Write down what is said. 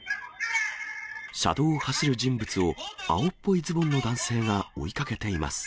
車道を走る人物を青っぽいズボンの男性が追いかけています。